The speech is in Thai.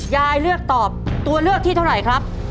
ยายเลือกตอบตัวเลือกที่เท่าไหร่ครับ